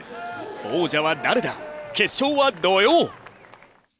王者は誰だ、決勝は土曜。